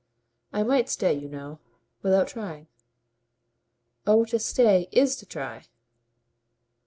"I might stay, you know, without trying." "Oh to stay IS to try."